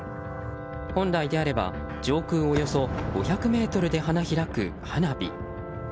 本来であれば上空およそ５００ｍで花開く花火。